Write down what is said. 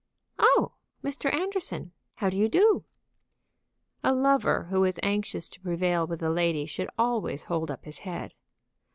"Oh, Mr. Anderson! how do you do?" A lover who is anxious to prevail with a lady should always hold up his head.